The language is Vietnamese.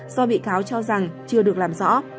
do bị cáo cho rằng chưa được làm rõ